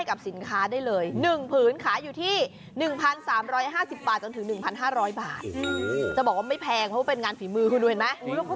จะบอกว่าไม่แพงเพราะว่าเป็นงานฝีมือคุณดูเห็นไหม